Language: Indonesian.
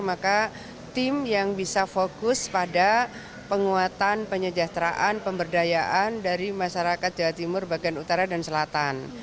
maka tim yang bisa fokus pada penguatan penyejahteraan pemberdayaan dari masyarakat jawa timur bagian utara dan selatan